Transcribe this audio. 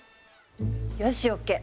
よしＯＫ！